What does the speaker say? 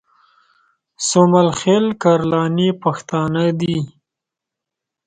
سومل خېل کرلاني پښتانه دي